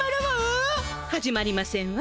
始まりませんわ。